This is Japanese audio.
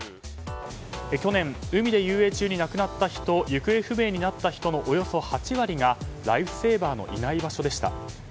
去年、海で遊泳中に亡くなった人行方不明になった人のおよそ８割がライフセーバーのいない場所でした。